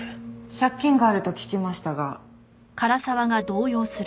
借金があると聞きましたが。